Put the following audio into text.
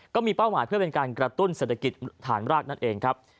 ก็มีเป้าหมายเพื่อเป็นการกระตุ้นเศรษฐกิจฐานรากนั่นเองครับ